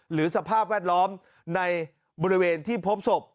สภาพแวดล้อมในบริเวณที่พบศพ